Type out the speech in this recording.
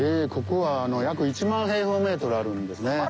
ここは約１万平方メートルあるんですね。